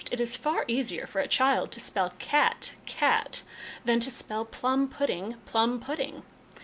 It is far easier for a child to spell cat, cat, than to spell plum pudding, plum pudding."